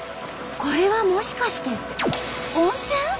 これはもしかして温泉？